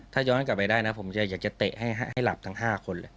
ถ้าย้อนกลับไปได้นะผมอยากจะเตะให้หลับทั้ง๕คนเลย